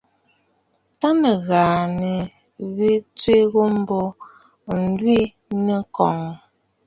Tâ nɨ̀ghàꞌà nì wè tswe ghu mbo, ǹlwìꞌì nɨ̂ŋkoŋə̀.